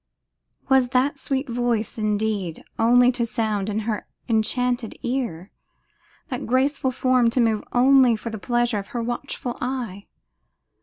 Was that sweet voice, indeed, only to sound in her enchanted ear, that graceful form to move only for the pleasure of her watchful eye?